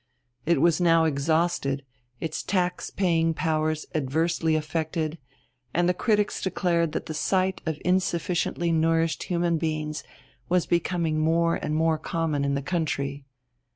It was now exhausted, its tax paying powers adversely affected, and the critics declared that the sight of insufficiently nourished human beings was becoming more and more common in the country.